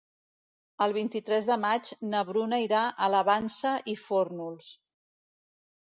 El vint-i-tres de maig na Bruna irà a la Vansa i Fórnols.